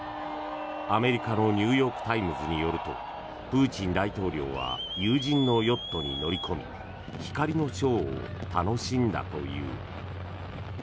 アメリカのニューヨーク・タイムズによるとプーチン大統領は友人のヨットに乗り込み光のショーを楽しんだという。